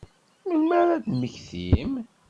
Melmi ara ad temmektim?